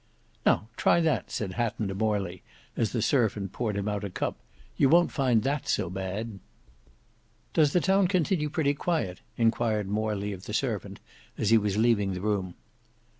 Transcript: "Now try that," said Hatton to Morley, as the servant poured him out a cup; "you won't find that so bad." "Does the town continue pretty quiet?" enquired Morley of the servant as he was leaving the room.